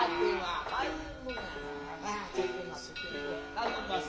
頼んます。